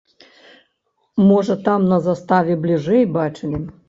Можа там на заставе бліжэй бачылі.